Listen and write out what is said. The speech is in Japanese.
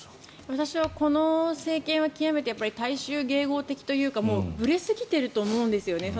私はこの政権は極めて大衆迎合的というかぶれすぎていると思うんですね。